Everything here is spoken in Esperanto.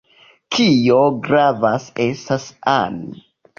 Kio gravas estas ami.